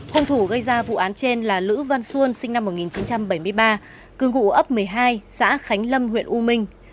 hùng thủ gây ra vụ án trên là lữ văn xuân sinh năm một nghìn chín trăm bảy mươi ba cư ngụ ấp một mươi hai xã khánh lâm huyện u minh